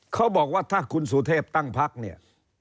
เขาบอกว่าถ้าคุณสุเทพตั้งพักเนี่ย